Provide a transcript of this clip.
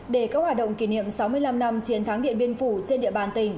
để các hoạt động kỷ niệm sáu mươi năm năm chiến thắng điện biên phủ trên địa bàn tỉnh